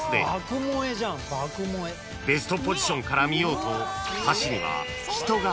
［ベストポジションから見ようと］